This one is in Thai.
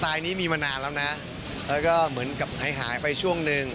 นี้มีมานานแล้วนะแล้วก็เหมือนกับหายหายไปช่วงหนึ่ง